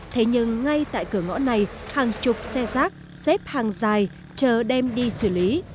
thế nhưng ngay tại cửa ngõ này hàng chục xe rác xếp hàng dài chờ đem đi xử lý